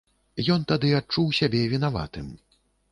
Ён тады адчуў сябе вінаватым.